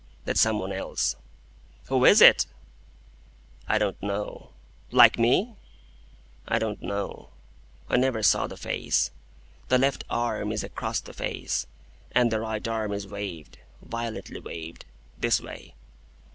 That some one else." "Who is it?" "I don't know." "Like me?" "I don't know. I never saw the face. The left arm is across the face, and the right arm is waved,—violently waved. This way."